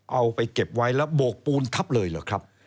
เอาไปเก็บไว้แล้วโบกปูนทับเลยเหรอครับ